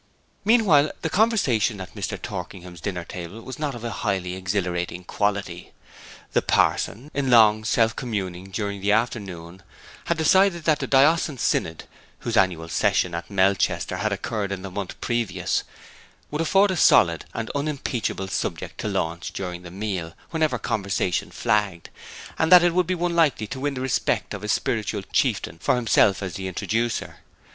Meanwhile the conversation at Mr. Torkingham's dinner table was not of a highly exhilarating quality. The parson, in long self communing during the afternoon, had decided that the Diocesan Synod, whose annual session at Melchester had occurred in the month previous, would afford a solid and unimpeachable subject to launch during the meal, whenever conversation flagged; and that it would be one likely to win the respect of his spiritual chieftain for himself as the introducer.